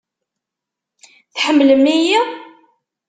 Tḥemmlem-iyi?